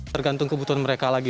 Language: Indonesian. tergantung kebutuhan mereka lagi